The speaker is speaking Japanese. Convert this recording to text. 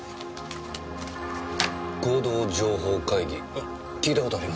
「合同情報会議」聞いた事ありますね。